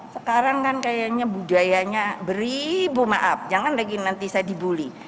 sekarang kan kayaknya budayanya beribu maaf jangan lagi nanti saya dibully